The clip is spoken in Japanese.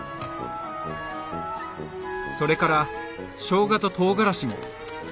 それからしょうがととうがらしも。